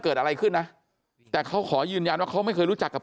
เกิดอะไรขึ้นนะแต่เขาขอยืนยันว่าเขาไม่เคยรู้จักกับ